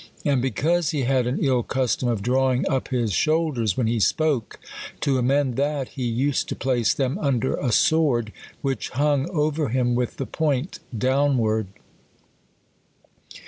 And because he had an ill custom of drawing up his shoulders when he spoke, to amend that,, lie used to place them under a swoixl, which hung over him with the point downv/ard.